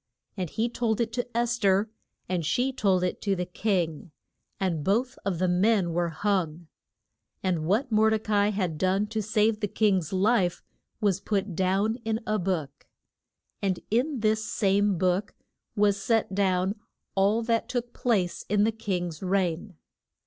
And he told it to Es ther, and she told it to the king, and both of the men were hung. And what Mor de ca i had done to save the king's life was put down in a book. And in this same book was set down all that took place in the king's reign.